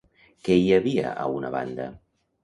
Què hi havia a una banda?